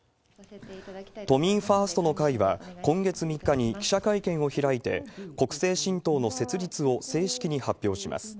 都民ファーストの会は今月３日に記者会見を開いて、国政新党の設立を正式に発表します。